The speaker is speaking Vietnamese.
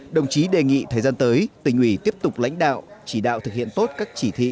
đồng chí đề nghị thời gian tới tỉnh ủy tiếp tục lãnh đạo chỉ đạo thực hiện tốt các chỉ thị